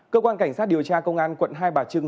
cơ quan cảnh sát điều tra công an quận hai bà trưng